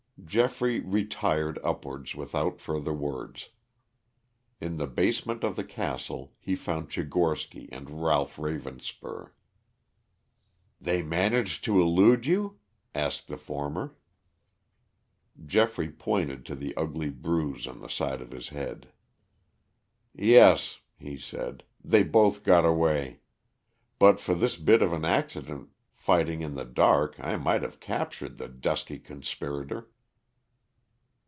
Geoffrey retired upwards without further words. In the basement of the castle he found Tchigorsky and Ralph Ravenspur. "They managed to elude you?" asked the former. Geoffrey pointed to the ugly bruise on the side of his head. "Yes," he said, "they both got away. But for this bit of an accident fighting in the dark I might have captured the dusky conspirator."